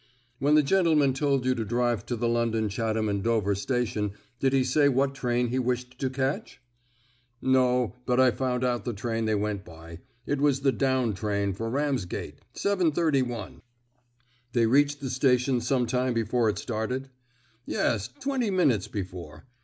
"When the gentleman told you to drive to the London, Chatham, and Dover station, did he say what train he wished to catch?" "No, but I found out the train they went by. It was the down train for Ramsgate, 7.31." "They reached the station some time before it started?" "Yes, twenty minutes before.